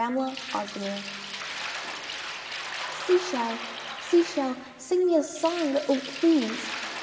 THE SEA SHELL Sea Shell, Sea Shell, Sing me a song, O please!